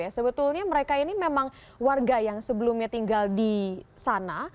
sebetulnya mereka ini memang warga yang sebelumnya tinggal di sana